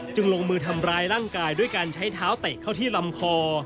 ลงมือทำร้ายร่างกายด้วยการใช้เท้าเตะเข้าที่ลำคอ